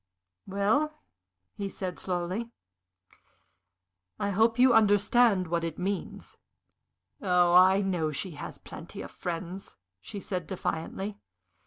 "Well," he said, slowly, "I hope you understand what it means?" "Oh, I know she has plenty of friends!" she said, defiantly.